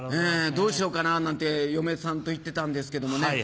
どうしようかななんて嫁さんと言ってたんですけどもね。